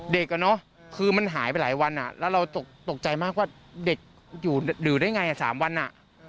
คือมันหายไปหลายวันแล้วเราตกใจมากว่าเด็กอยู่ได้ไง๓วัน